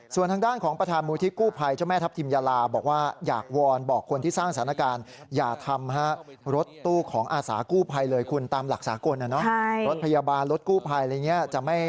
ส่วนด้านทางของประธานมูลที่กู้ภัย